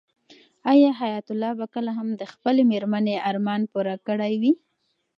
آیا حیات الله به کله هم د خپلې مېرمنې ارمان پوره کړی وي؟